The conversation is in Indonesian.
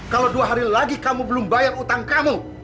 kalau dua hari lagi kamu belum bayar utang kamu